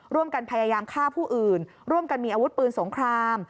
ร่วมกันพยายามฆ่าผู้อื่นร่วมกันมีอาวุธปืนสงคราม